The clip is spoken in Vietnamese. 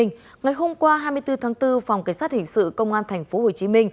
ngày hôm qua hai mươi bốn tháng bốn phòng cảnh sát hình sự công an tp hcm